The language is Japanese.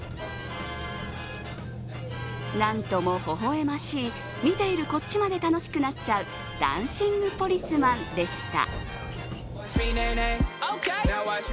なんともほほ笑ましい見ているこっちまで楽しくなっちゃうダンシングポリスマンでした。